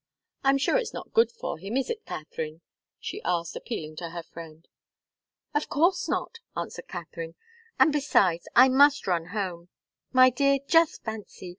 I'm sure it's not good for him, is it Katharine?" she asked, appealing to her friend. "Of course not!" answered Katharine. "And besides, I must run home. My dear, just fancy!